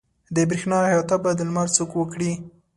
د برېښنا احاطه به د لمر څوک وکړي.